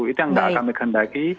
itu yang tidak akan digendaki